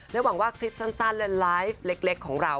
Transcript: หวังว่าคลิปสั้นและไลฟ์เล็กของเรา